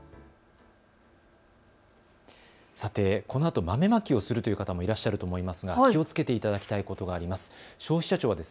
このあと豆まきをする方もいらっしゃると思いますが気をつけていただきたいことがあります。